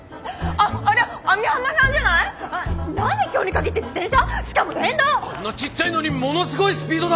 あんなちっちゃいのにものすごいスピードだ！